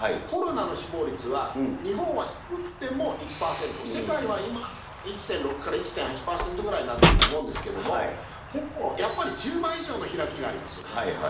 コロナの死亡率は、日本は低くても１％、世界は今、１．６から１．８％ぐらいになってると思うんですけれども、やっぱり１０倍以上の開きがありますよね。